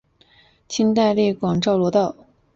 清代隶广肇罗道。